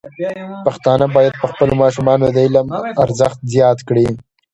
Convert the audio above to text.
پښتانه بايد په خپلو ماشومانو کې د علم ارزښت زیات کړي.